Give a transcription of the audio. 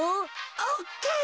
オッケー。